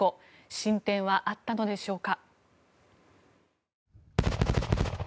進展はあったのでしょうか？